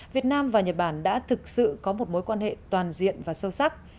việt nam và nhật bản đã thực sự có một mối quan hệ toàn diện và sâu sắc